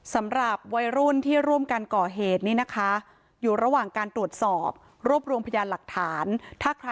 ถ้าใครมีส่วนความสนใจกับผู้ติดตั้งหน้าครับ